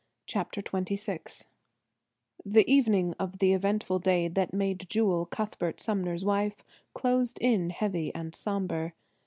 CHAPTER XXVI The evening of the eventful day that made Jewel, Cuthbert Sumner's wife, closed in heavy and sombre.